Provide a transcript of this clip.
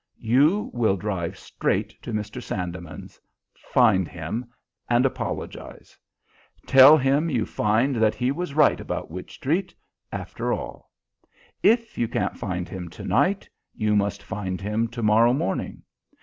"You will drive straight to Mr. Sandeman's, find him, and apologize. Tell him you find that he was right about Wych Street after all. If you can't find him to night, you must find him to morrow morning.